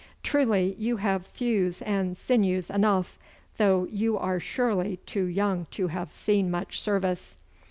Truly you have thews and sinews enough, though you are surely too young to have seen much service.